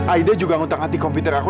aida juga ngutak anti komputer aku